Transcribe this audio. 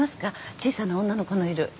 小さな女の子のいる。